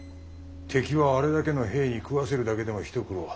敵はあれだけの兵に食わせるだけでも一苦労。